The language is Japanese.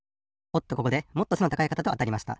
おっとここでもっと背の高い方とあたりました。